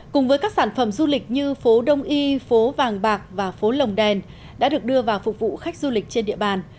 cùng với các sản phẩm du lịch như phố đông y phố vàng bạc và phố lồng đèn đã được đưa vào phục vụ khách du lịch trên địa bàn